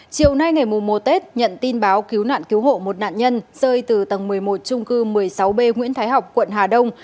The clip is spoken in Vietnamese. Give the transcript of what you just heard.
chiều nay ngày mùa một tết nhận tin báo cứu nạn cứu hộ một nạn nhân rơi từ tầng một mươi một trung cư một mươi sáu b nguyễn thái học quận hà đông